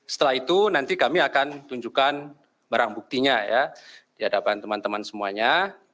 setelah itu nanti kami akan tunjukkan barang buktinya ya di hadapan teman teman semuanya